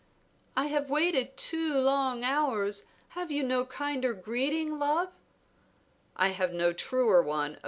"I have waited two long hours; have you no kinder greeting, love?" "I have no truer one.